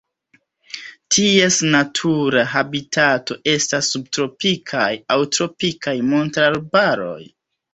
Ties natura habitato estas subtropikaj aŭ tropikaj montararbaroj.